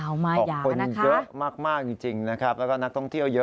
อ้าวมายานะคะของคนเยอะมากจริงนะครับแล้วก็นักท่องเที่ยวเยอะ